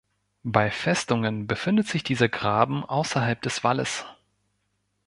Bei Festungen befindet sich dieser Graben außerhalb des Walles.